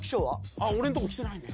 あっ俺のとこ来てないね。